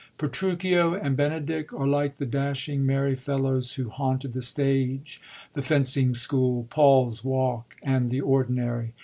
Petruchio and Benedick are like the dashing merry fellows who haunted the stage, the fencing school, Paul's Walk and the ordinary.